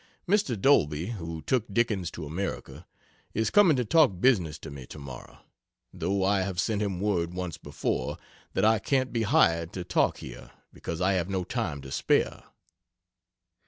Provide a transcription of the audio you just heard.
Mr. Dolby, who took Dickens to America, is coming to talk business to me tomorrow, though I have sent him word once before, that I can't be hired to talk here, because I have no time to spare.